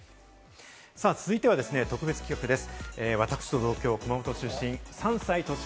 続いては特別企画です。